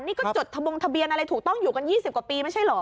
นี่ก็จดทะบงทะเบียนอะไรถูกต้องอยู่กัน๒๐กว่าปีไม่ใช่เหรอ